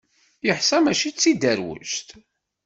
Yeḥṣa mačči d tiderwect.